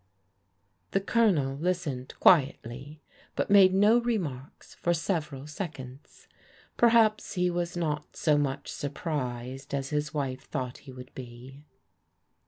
The Colonel listened quietly, but made no remarks for several seconds. Perhaps he was not so much surprised as his wife thought he would be.